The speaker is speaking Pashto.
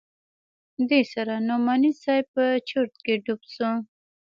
دې سره نعماني صاحب په چورت کښې ډوب سو.